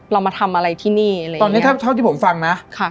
เรามาทำอะไรที่นี่อะไรอย่างเงี้ตอนนี้ถ้าเท่าที่ผมฟังนะค่ะ